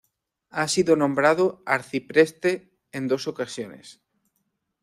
Ha sido nombrado arcipreste en dos ocasiones.